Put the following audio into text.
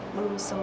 dan lagi juga